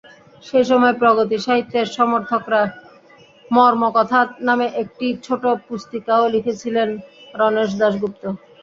সেই সময় প্রগতি সাহিত্যের মর্মকথা নামে একটি ছোট পুস্তিকাও লিখেছিলেন রণেশ দাশগুপ্ত।